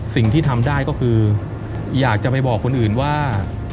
สิ่งที่ทำได้ก็คืออยากจะไปบอกคนอื่นว่า